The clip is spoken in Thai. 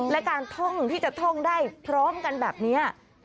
และการท่องที่จะท่องได้พร้อมกันแบบนี้